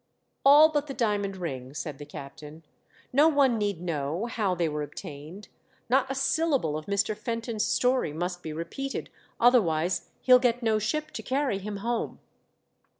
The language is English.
" All but the diamond ring," said the captain. " No one need know how they were obtained; not a syllable of Mr. Fenton's story must be repeated ; otherwise he'll get no ship to carry him home."